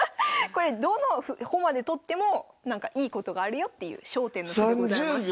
これどの駒で取ってもなんかいいことがあるよっていう焦点の歩でございます。